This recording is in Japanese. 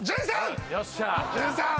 潤さん！